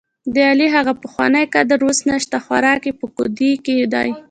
دعلي هغه پخوانی قدر اوس نشته، خوراک یې په کودي کې دی.